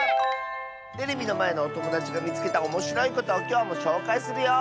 テレビのまえのおともだちがみつけたおもしろいことをきょうもしょうかいするよ！